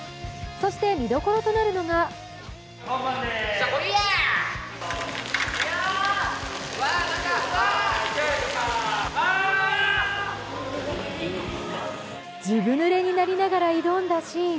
そして見どころとなるのがずぶぬれになりながら挑んだシーン。